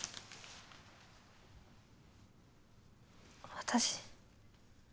私。